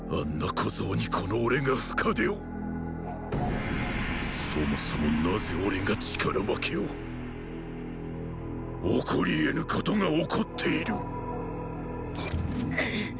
小僧にこの俺が深手をそもそもなぜ俺が力負けを起こり得ぬことが起こっているくっ。